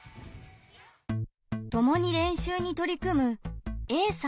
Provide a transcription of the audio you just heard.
ともに練習に取り組むＡさんとＢさん。